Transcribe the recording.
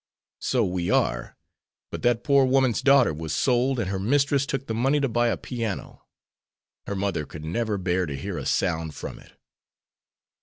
"So we are; but that poor woman's daughter was sold, and her mistress took the money to buy a piano. Her mother could never bear to hear a sound from it."